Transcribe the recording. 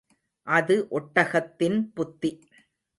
அது ஒட்டகத்தின் புத்தி.